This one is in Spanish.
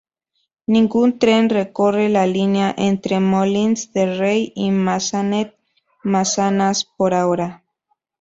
Ningún tren recorre la línea entre Molins de Rey y Massanet-Massanas por ahora.